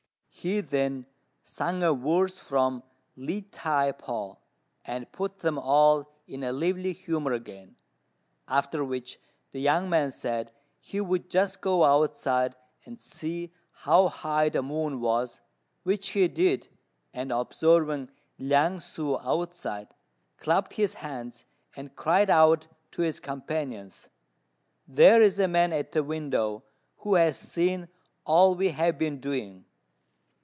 He then sung a verse from "Li T'ai poh," and put them all in a lively humour again; after which the young man said he would just go outside and see how high the moon was, which he did, and observing Liang ssŭ outside, clapped his hands, and cried out to his companions, "There is a man at the window, who has seen all we have been doing."